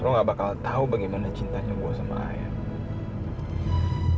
lo gak bakal tahu bagaimana cintanya gue sama ayah